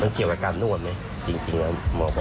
มันเกี่ยวกับการนวดมั้ยจริงนะมองไป